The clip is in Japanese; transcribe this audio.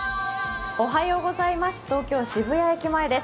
東京・渋谷駅前です。